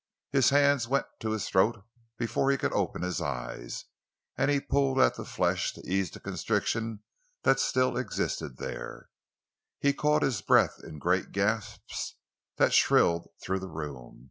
His hands went to his throat before he could open his eyes; he pulled at the flesh to ease the constriction that still existed there; he caught his breath in great gasps that shrilled through the room.